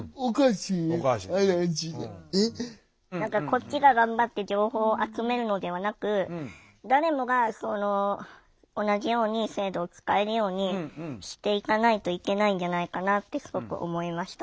こっちが頑張って情報を集めるのではなく誰もが同じように制度を使えるようにしていかないといけないんじゃないかなってすごく思いました。